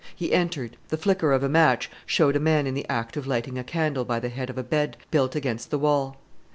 He entered. The flicker of a match showed a man in the act of lighting a candle by the head of a bed built against the wall.